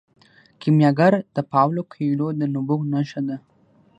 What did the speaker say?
کیمیاګر د پاولو کویلیو د نبوغ نښه ده.